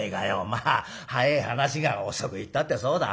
「まあ早え話が遅く言ったってそうだ